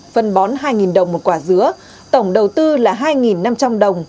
phân bón hai đồng một quả dứa tổng đầu tư là hai năm trăm linh đồng